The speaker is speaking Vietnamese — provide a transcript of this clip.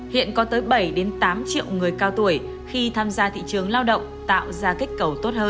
hiện có tới bảy tám triệu người cao tuổi khi tham gia thị trường lao động tạo ra kích cầu tốt hơn